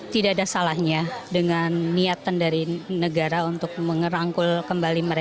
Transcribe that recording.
tidak ada salahnya dengan niatan dari negara untuk merangkul kembali